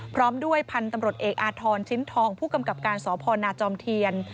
พร้อมด้วยพันธุ์ตำรวจเอกอาทรชิ้นทองผู้กำกับการสพนาจอมเทียน